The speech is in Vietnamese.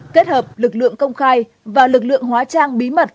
kết hợp lực lượng công khai và lực lượng hóa trang bí mật